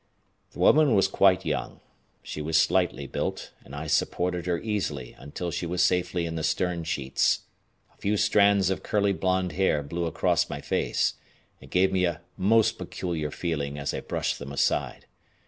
The woman was quite young. She was slightly built, and I supported her easily until she was safely in the stern sheets. A few strands of curly blond hair blew across my face, and gave me a most peculiar feeling as I brushed them aside.